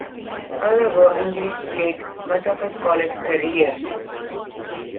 However, injuries plagued much of his college career.